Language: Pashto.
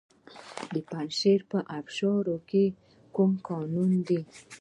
د پنجشیر په ابشار کې کوم کانونه دي؟